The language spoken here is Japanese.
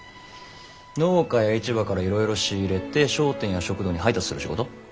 農家や市場からいろいろ仕入れて商店や食堂に配達する仕事。